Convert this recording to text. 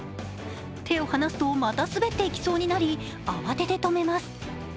手を離すとまた滑っていきそうになり慌てて止めます。